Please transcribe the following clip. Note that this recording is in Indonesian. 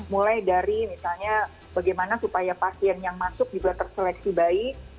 mulai dari misalnya bagaimana supaya pasien yang masuk juga terseleksi baik